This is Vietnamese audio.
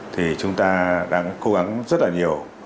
thì chúng ta đang cố gắng rất là nhiều